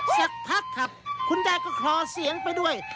สักพักครับคุณยายก็คลอเสียงไปด้วย